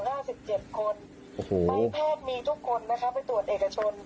ไปแพทย์มีทุกคนไปตรวจเอกชน